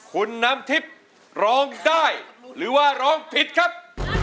คุณน้ำทิพย์ร้องได้หรือว่าร้องผิดครับ